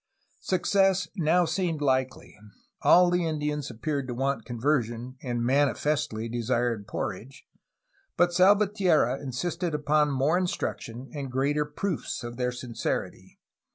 Success now seemed likely. All the Indians ap peared to want conversion, and manifestly desired porridge, but Salvatierra insisted upon more instruction and greater proofs of their sincerity.